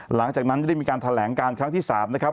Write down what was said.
หลังจากนั้นได้มีการแถลงการครั้งที่๓นะครับ